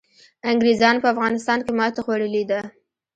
انګریزانو په افغانستان کي ماتي خوړلي ده.